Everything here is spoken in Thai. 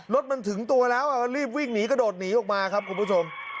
รถมันถึงตัวแล้วก็รีบวิ่งหนีกระโดดหนีออกมาครับคุณผู้ชม